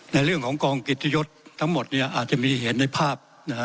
ในเรื่องของกองกิจยศทั้งหมดอาจจะมีเหตุในภาพ